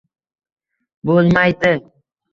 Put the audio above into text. Bo‘l – may – di.